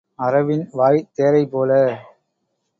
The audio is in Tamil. அரவின் வாய்த் தேரைபோல.